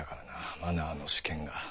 「マナー」の試験が。